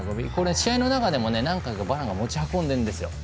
試合の中でも、何回かバランが持ち運んでるんですよ。